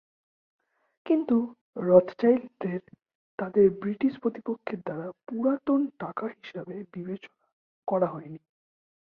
কিন্তু, রথচাইল্ডদের তাদের ব্রিটিশ প্রতিপক্ষের দ্বারা "পুরাতন টাকা" হিসাবে বিবেচনা করা হয়নি।